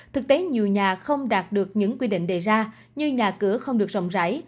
thực tế nhiều nhà không đạt được những quy định đề ra như nhà cửa không được rộng rãi